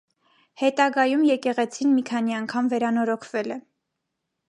Հետագայում եկեղեցին մի քանի անգամ վերանորոգվել է։